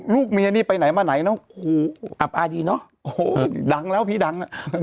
ลูกเมียนี่ไปไหนมาไหนน้องครูอับอายดีเนอะโอ้โหดังแล้วพี่ดังน่ะ